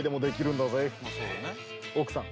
奥さん。